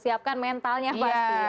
siapkan mentalnya pasti ya